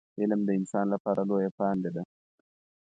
علم د انسان لپاره لویه پانګه ده.